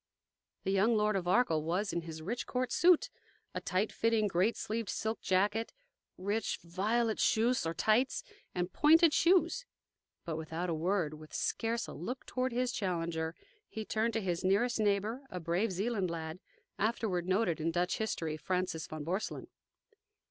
The young Lord of Arkell was in his rich court suit a tight fitting, great sleeved silk jacket, rich, violet chausses, or tights, and pointed shoes. But without a word, with scarce a look toward his challenger, he turned to his nearest neighbor, a brave Zealand lad, afterward noted in Dutch history Francis von Borselen.